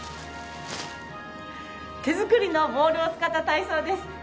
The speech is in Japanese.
手作りのボールを使った体操です。